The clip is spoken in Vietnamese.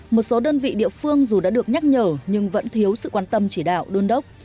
một số đơn vị địa phương dù đã được nhắc nhở nhưng vẫn thiếu sự quan tâm chỉ đạo đôn đốc